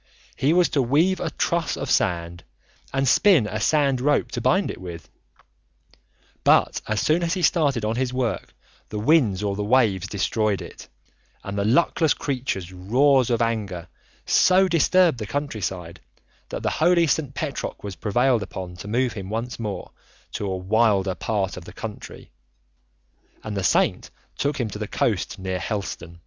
He was to weave a truss of sand and spin a sand rope to bind it with. But as soon as he started on his work the winds or the waves destroyed it, and the luckless creature's roars of anger so disturbed the countryside that the holy St. Petroc was prevailed upon to move him once more, to a wilder part of the country, and the saint took him to the coast near Helston.